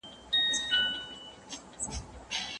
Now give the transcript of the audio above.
نو ماشومان هڅول کېږي.